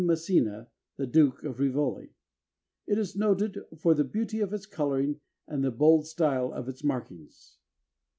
Massena, the Duke of Rivoli. It is noted "for the beauty of its coloring and the bold style of its markings."